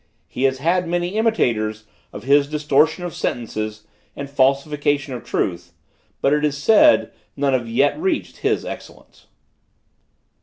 He has had many imitators of his distortion of sentences and falsification of truth; but, it is said, none have yet reached his excellence.